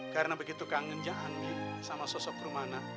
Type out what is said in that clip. karena begitu kangennya anggi sama sosok rumana